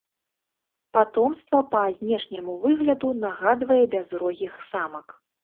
Патомства па знешняму выгляду нагадвае бязрогіх самак.